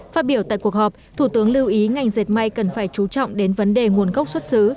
phát biểu tại cuộc họp thủ tướng lưu ý ngành dệt may cần phải chú trọng đến vấn đề nguồn gốc xuất xứ